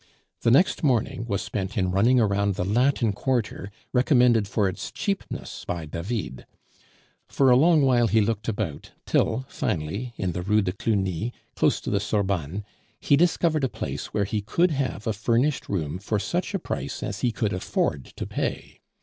The next morning was spent in running around the Latin Quarter, recommended for its cheapness by David. For a long while he looked about till, finally, in the Rue de Cluny, close to the Sorbonne, he discovered a place where he could have a furnished room for such a price as he could afford to pay.